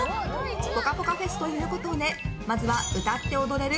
「ぽかぽか」フェスということでまずは歌って踊れる